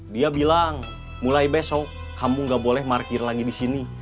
dia bilang mulai besok kamu gak boleh markir lagi disini